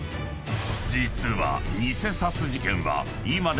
［実は］